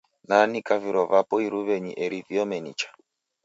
Naanika viro vapo iruw'enyi eri viome nicha.